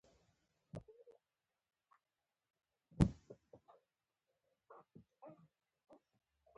د مناظرې اورېدونکي له بحث څخه راضي نه وو.